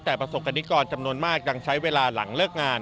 แต่ประสบกรณิกรจำนวนมากยังใช้เวลาหลังเลิกงาน